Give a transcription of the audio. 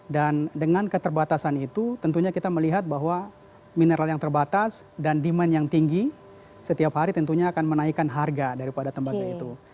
dan dengan keterbatasan itu tentunya kita melihat bahwa mineral yang terbatas dan demand yang tinggi setiap hari tentunya akan menaikkan harga daripada tembaga itu